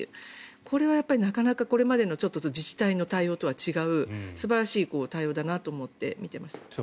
これはやっぱり、なかなかこれまでの自治体の対応とは違う素晴らしい対応だなと思って見ていました。